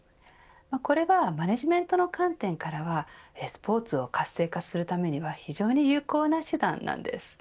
これはマネジメントの観点からはスポーツを活性化させるためには非常に有効な手段なんです。